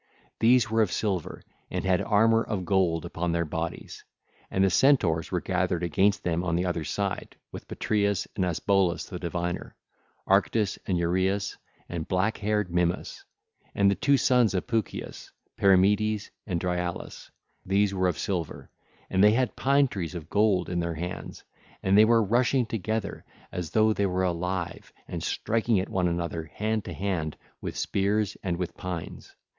These were of silver, and had armour of gold upon their bodies. And the Centaurs were gathered against them on the other side with Petraeus and Asbolus the diviner, Arctus, and Ureus, and black haired Mimas, and the two sons of silver, and they had pinetrees of gold in their hands, and they were rushing together as though they were alive and striking at one another hand to hand with spears and with pines.